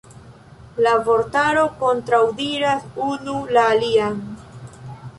La vortaroj kontraŭdiras unu la aliajn.